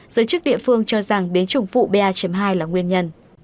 giới chức địa phương cho rằng biến chủng phụ ba hai là nguyên nhân